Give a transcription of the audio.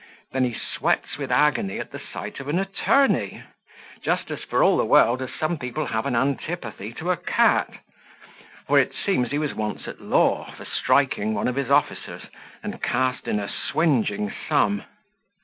Then he sweats with agony at the sight of an attorney, just, for all the world, as some people have an antipathy to a cat: for it seems he was once at law, for striking one of his officers, and cast in a swinging sum.